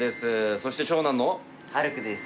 そして長男の晴空です